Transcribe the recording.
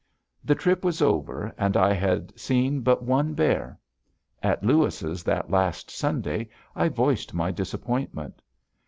The trip was over, and I had seen but one bear. At Lewis's that last Sunday I voiced my disappointment.